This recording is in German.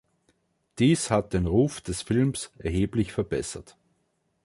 Dies hat den Ruf des Films erheblich verbessert.